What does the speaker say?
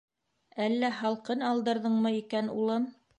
— Әллә һалҡын алдырҙыңмы икән, улым?